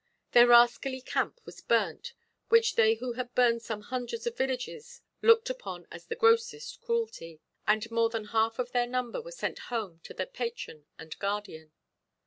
Their rascally camp was burnt, which they who had burned some hundreds of villages looked upon as the grossest cruelty, and more than half of their number were sent home to their patron and guardian.